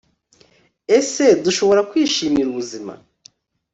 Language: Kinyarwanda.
ese dushobora kwishimira ubuzima